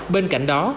bên cạnh đó